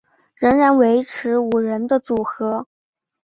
仍然维持五人的组合。